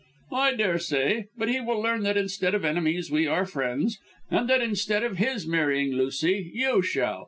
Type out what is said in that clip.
"I daresay, but he will learn that instead of enemies we are friends, and that instead of his marrying Lucy, you shall.